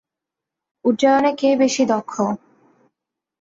উড্ডয়নে কে বেশি দক্ষ?